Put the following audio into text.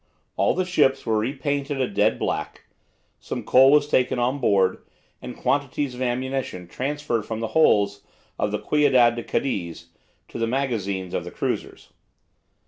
All the ships were repainted a dead black, some coal was taken on board, and quantities of ammunition transferred from the holds of the "Ciudad de Cadiz" to the magazines of the cruisers.